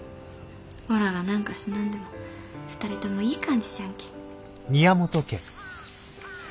おらが何かしなんでも２人ともいい感じじゃんけ。